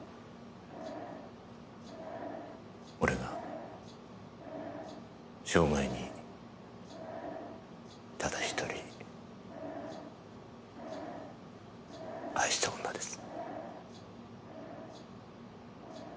俺が生涯にただ一人愛した女です。